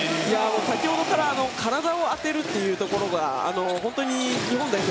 先ほどから体を当てるというところが日本代表